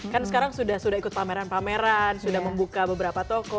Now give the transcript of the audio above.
kan sekarang sudah ikut pameran pameran sudah membuka beberapa toko